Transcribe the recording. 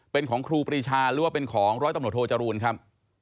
เป็นของครูปรีชาหรือว่าเป็นของร้อยตำรวจโทจรูนครับ